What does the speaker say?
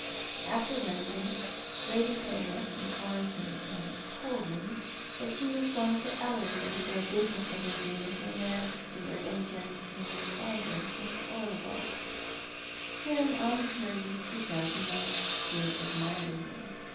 After luncheon Lady Penrith informed me, rather coldly, that she was going to Ellerslie for a business interview with her land steward and general adviser, Mr. Orlebar, whom I have heard you speak of not too admiringly.